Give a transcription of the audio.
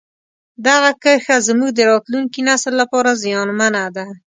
دغه کرښه زموږ د راتلونکي نسل لپاره زیانمنه ده.